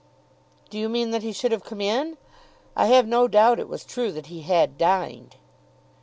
"Do you mean that he should have come in? I have no doubt it was true that he had dined."